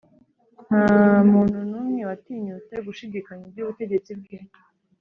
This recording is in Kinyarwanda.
nta muntu n’umwe watinyutse gushidikanya iby’ubutegetsi bwe